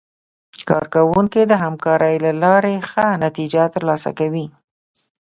کارکوونکي د همکارۍ له لارې ښه نتیجه ترلاسه کوي